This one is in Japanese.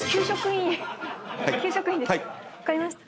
分かりました。